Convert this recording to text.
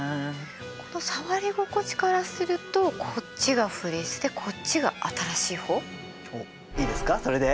この触り心地からするとこっちがフリースでこっちが新しい方？おっいいですかそれで？